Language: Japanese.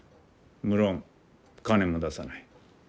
無論金も出さない。